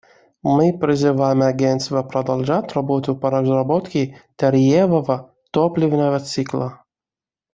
Мы призываем Агентство продолжать работу по разработке ториевого топливного цикла.